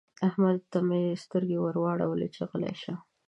احمد ته مې سترګې ور واړولې چې غلی شه.